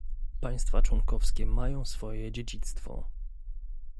Państwa członkowskie mają swoje dziedzictwo